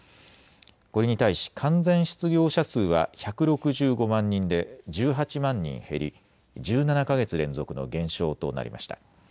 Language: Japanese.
これに対し完全失業者数は１６５万人で１８万人減り１７か月連続の減少となりました。